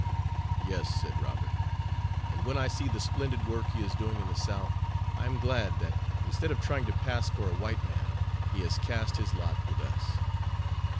"Yes," said Robert, "and when I see the splendid work he is doing in the South, I am glad that, instead of trying to pass for a white man, he has cast his lot with us."